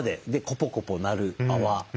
コポコポなる泡。